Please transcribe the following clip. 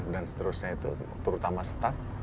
dan seterusnya itu terutama staff